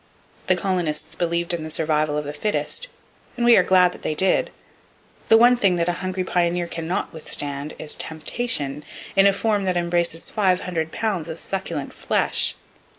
The colonists believed in the survival of the fittest, and we are glad that they did. The one thing that a hungry pioneer cannot withstand is—temptation—in a form that embraces five hundred pounds of succulent flesh.